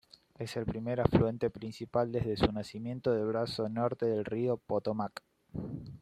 Es el primer afluente principal desde su nacimiento del brazo norte del río Potomac.